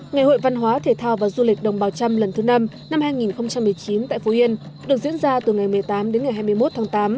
ngày hội văn hóa thể thao và du lịch đồng bào trăm lần thứ năm năm hai nghìn một mươi chín tại phú yên được diễn ra từ ngày một mươi tám đến ngày hai mươi một tháng tám